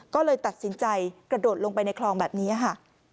ก็เลยตัดสินใจกระโดดลงไปในคลองแบบนี้ค่ะ